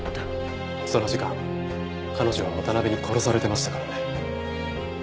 その時間彼女は渡辺に殺されてましたからね。